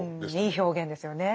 いい表現ですよね。